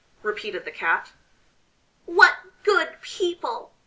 repeated the Cat. "What good people!"